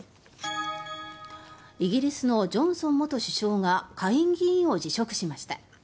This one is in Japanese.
イギリスのジョンソン元首相が下院議員を辞職しました。